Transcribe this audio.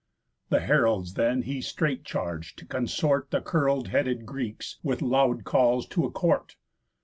The heralds then he straight charg'd to consort The curl'd head Greeks, with loud calls, to a Court.